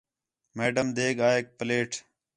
میڈم دیگ آ ہِک پلیٹ